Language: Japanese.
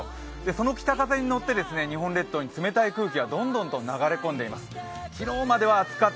その北風にのって日本列島に冷たい空気がどんどんと流れ込んでいます。